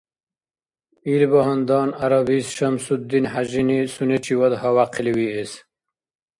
Илбагьандан гӀярабист ШамсудинхӀяжини сунечивад гьавяхъили виэс?